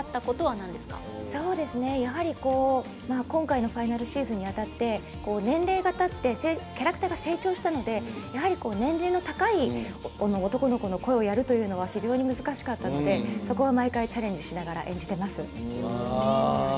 今回のファイナルシーズンにあたって年齢がたってキャラクターが成長したのでやはり、年齢の高い男の子の声をやるというのが非常に難しかったのでそこは毎回、チャレンジしながら演じてます。